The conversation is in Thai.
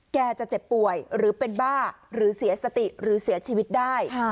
จะเจ็บป่วยหรือเป็นบ้าหรือเสียสติหรือเสียชีวิตได้